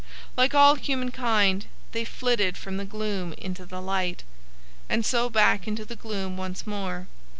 Like all human kind, they flitted from the gloom into the light, and so back into the gloom once more.